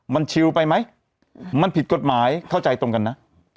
มันชิลไปไหมมันผิดกฎหมายเข้าใจตรงกันนะ